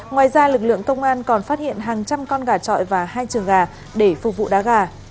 ngoài ra lực lượng công an còn phát hiện hàng trăm con gà trọi và hai trường gà để phục vụ đá gà